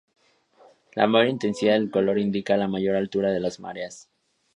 La mayor intensidad del color indica la mayor altura de las mareas.